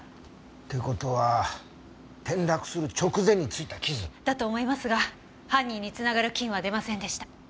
って事は転落する直前についた傷？だと思いますが犯人に繋がる菌は出ませんでした。